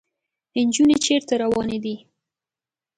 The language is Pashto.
انجونې چېرته روانې دي ؟